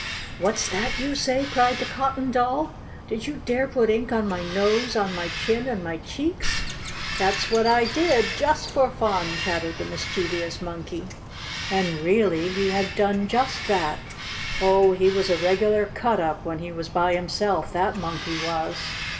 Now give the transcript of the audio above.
"What's that you say?" cried the Cotton Doll. "Did you dare put ink on my nose, on my chin and my cheeks?" "That's what I did, just for fun!" chattered the mischievous Monkey. And, really, he had done just that. Oh, he was a regular "cut up" when he was by himself, that Monkey was.